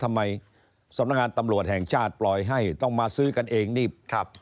ทำไมสำนักงานตำรวจแห่งชาติปล่อยให้ต้องมาซื้อกันเองนี่ครับ